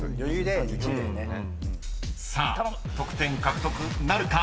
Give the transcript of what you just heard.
［さあ得点獲得なるか。